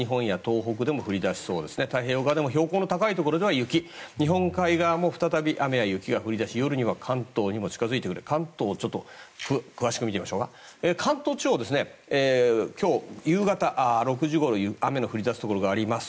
太平洋側も標高の高いところで雪日本海側でも雨や雪が降り出し夜には関東にも近づいて関東を詳しく見てみますと今日夕方の６時ごろ雨の降りだすところがあります。